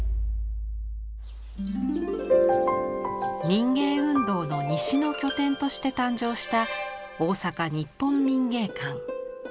「民藝運動の西の拠点」として誕生した大阪日本民芸館。